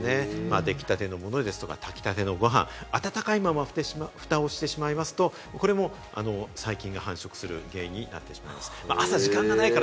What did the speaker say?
できたてのものですとか炊きたてのご飯、温かいまま蓋をしてしまいますと、これも細菌が繁殖する原因になってしまうということです。